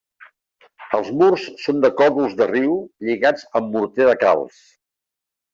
Els murs són de còdols de riu lligats amb morter de calç.